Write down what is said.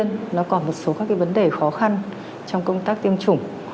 nhưng nó còn một số các vấn đề khó khăn trong công tác tiêm chủng